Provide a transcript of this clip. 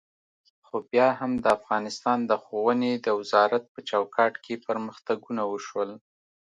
خو بیا هم د افغانستان د ښوونې د وزارت په چوکاټ کې پرمختګونه وشول.